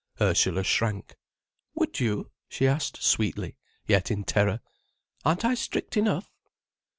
Ursula shrank. "Would you?" she asked, sweetly, yet in terror. "Aren't I strict enough?"